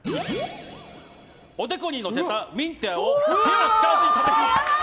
おでこにのせたミンティアを手を使わずに食べられます！